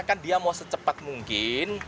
kan dia mau secepat mungkin